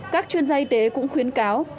các chuyên gia y tế cũng khuyến cáo